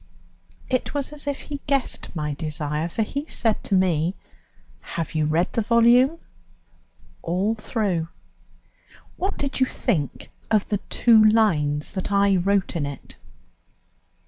It was as if he guessed my desire, for he said to me: "Have you read the volume?" "All through." "What did you think of the two lines that I wrote in it?"